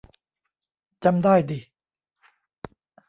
จำได้ดิ